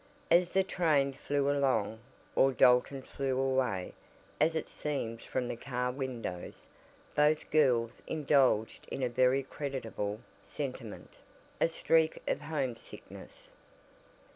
As the train flew along, or Dalton flew away, as it seemed from the car windows, both girls indulged in a very creditable sentiment a streak of homesickness.